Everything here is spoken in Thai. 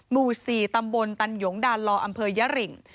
หมู่๔ตำบลตันหยงดานลออำเภอยะริง